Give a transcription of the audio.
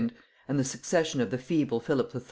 and the succession of the feeble Philip III.